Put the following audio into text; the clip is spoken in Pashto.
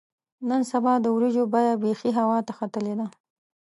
نن سبا د وریجو بیه بیخي هوا ته ختلې ده.